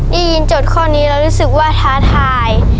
ได้ยินจดข้อนี้เรารู้สึกว่าท้าทาย